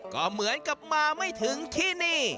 ก็เหมือนกับมาไม่ถึงที่นี่